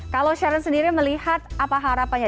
kalau sharon sendiri melihat apa harapannya